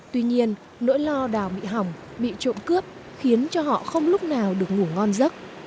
tuy nhiên nỗi lo đào bị hỏng bị trộm cướp khiến cho họ không lúc nào được ngủ ngon giấc